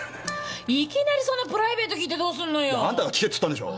いきなりそんなプライベート聞いてどうすんのよ！あんたが聞けって言ったんでしょ！